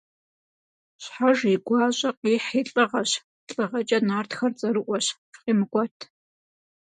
Щхьэж и гуащӀэ къихь и лӀыгъэщ, лӀыгъэкӀэ нартхэр цӀэрыӀуэщ, фыкъимыкӀуэт!